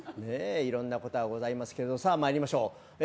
いろんなことがございますけどさあまいりましょう。